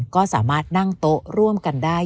ก็สามารถนั่งโต๊ะร่วมกันได้